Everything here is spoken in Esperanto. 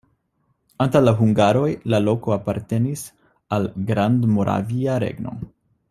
Antaŭ la hungaroj la loko apartenis al Grandmoravia Regno.